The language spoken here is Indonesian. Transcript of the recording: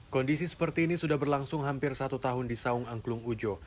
kondisi seperti ini sudah berlangsung hampir satu tahun di saung angklung ujo